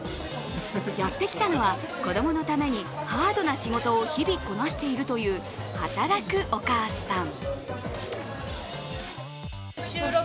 やってきたのは子供のためにハードな仕事を日々、こなしているという働くお母さん。